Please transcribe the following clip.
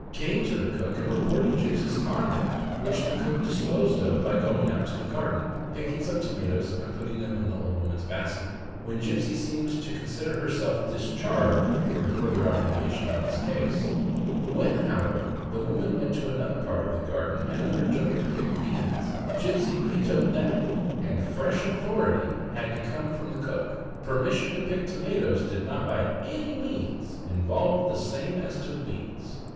579 came to the cook and reported Gipsey' s conduct, which the cook disposed of by going out to the garden, picking some tomatoes, and putting them in the old woman's basket, when Gipsey seemed to consider herself discharged from further obligation in the case. When, however, the woman went to another part of the garden and undertook to pick beans, Gipsey vetoed that, and fresh authority had ENGLISH MASTIFF— EDWY (^7450). Owned by Alvin L. Weston, Denver, Colo. Bred by William Wade, Hulton, Penn. to come from the cook. Permission to pick tomatoes did not by any means involve the same as to beans.